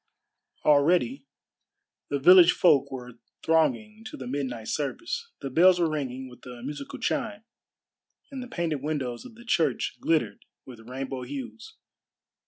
Already the village folk were thronging to the midnight service. The bells were ringing with a musical chime, and the painted windows of the church glittered with rainbow hues.